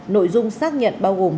nội dung xác nhận bao gồm